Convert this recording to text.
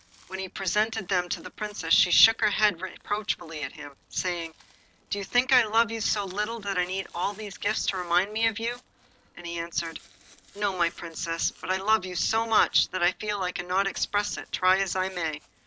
When he presented them to the Princess, she shook her head at him reproachfully, saying 'Do you think I love you so little that I need all these gifts to remind me of you?' And he answered 'No, my Princess; but I love you so much that I feel I cannot express it, try as I may.